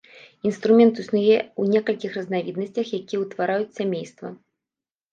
Інструмент існуе ў некалькіх разнавіднасцях, якія ўтвараюць сямейства.